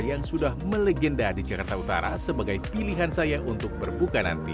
yang sudah melegenda di jakarta utara sebagai pilihan saya untuk berbuka nanti